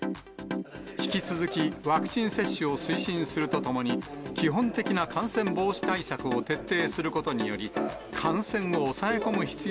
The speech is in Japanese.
引き続き、ワクチン接種を推進するとともに、基本的な感染防止対策を徹底することにより、感染を抑え込む必要